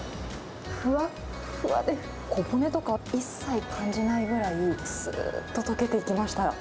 ふわっふわで小骨とか、一切感じないぐらい、すーっと溶けていきました。